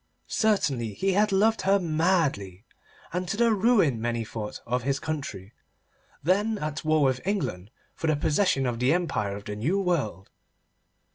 Certainly he had loved her madly, and to the ruin, many thought, of his country, then at war with England for the possession of the empire of the New World.